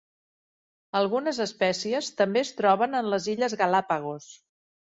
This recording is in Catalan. Algunes espècies també es troben en les Illes Galápagos.